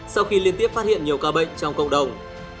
sau khi liên tiếp phát hiện nhiều ca bệnh trong cộng đồng